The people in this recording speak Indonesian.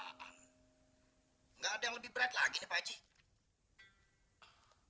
tidak ada yang lebih berat lagi pakcik